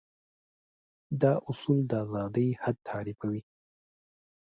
دا اصول د ازادي حد تعريفوي.